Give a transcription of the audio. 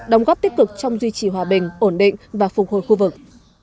đóng góp tích cực trong duy trì hòa bình ổn định và phục hồi khu vực